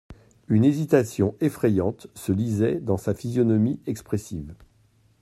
Une hésitation effrayante se lisait sur sa physionomie expressive.